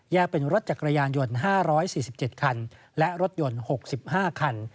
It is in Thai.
เป็นรถจักรยานยนต์๕๔๗คันและรถยนต์๖๕คัน